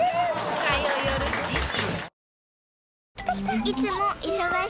火曜よる７時